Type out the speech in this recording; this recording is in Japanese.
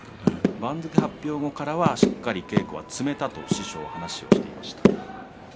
番付発表からはしっかり稽古を積めたと師匠は話をしていました。